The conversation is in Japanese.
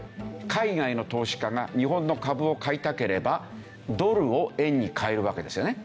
海外の投資家が日本の株を買いたければドルを円に替えるわけですよね。